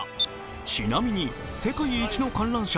ちなみに、世界一の観覧車